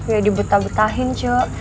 ya dibetah betahin cuk